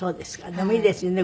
でもいいですよね。